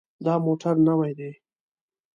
دا موټر نوی دی.